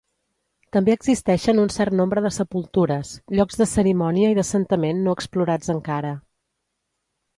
També existeixen un cert nombre de sepultures, llocs de cerimònia i d'assentament no explorats encara.